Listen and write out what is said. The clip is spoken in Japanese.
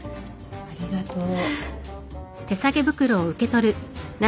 ありがとう。